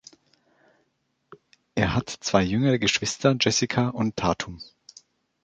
Er hat zwei jüngere Geschwister, Jessica und Tatum.